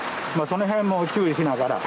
そのへんも注意しながら。